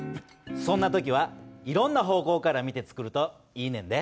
そんな時はいろんな方向から見てつくるといいねんで。